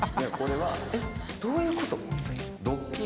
これは。えっ？どういうこと？